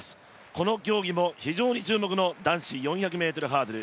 この競技も非常に注目の男子４００ｍハードル。